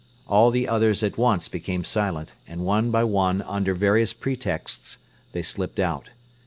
All the others at once became silent and one by one under various pretexts they slipped out.